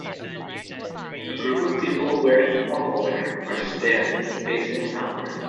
A group of people wearing formal wear are standing, facing outward.